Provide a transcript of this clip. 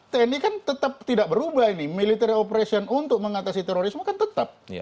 tni kan tetap tidak berubah ini military operation untuk mengatasi terorisme kan tetap